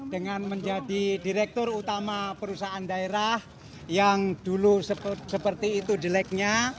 dengan menjadi direktur utama perusahaan daerah yang dulu seperti itu jeleknya